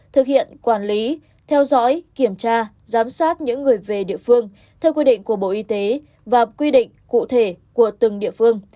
thực hiện quản lý theo dõi kiểm tra giám sát những người về địa phương theo quy định của bộ y tế và quy định cụ thể của từng địa phương